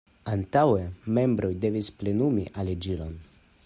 Antaŭe membroj devis plenumi aliĝilon.